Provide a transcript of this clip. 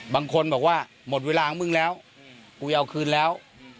บางคนบอกว่าหมดเวลาของมึงแล้วกูจะเอาคืนแล้ว